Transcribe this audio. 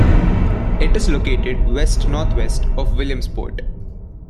It is located west-northwest of Williamsport.